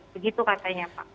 begitu katanya pak